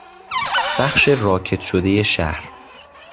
بخش راکد شدهی شهر